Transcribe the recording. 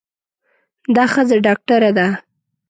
دا ښځه ډاکټره ده.